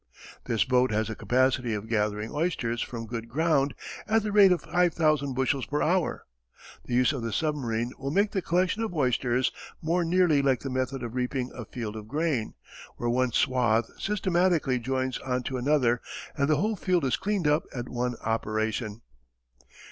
This boat has a capacity of gathering oysters from good ground at the rate of five thousand bushels per hour. The use of the submarine will make the collection of oysters more nearly like the method of reaping a field of grain, where one "swathe" systematically joins on to another, and the whole field is "cleaned up" at one operation.